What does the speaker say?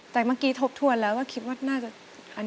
แต่เมื่อกี้ทบทวนแล้วก็คิดว่าน่าจะ